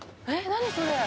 何それ？